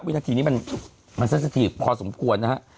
วิธีนี้มันสักสักทีพอสมควรนะฮะ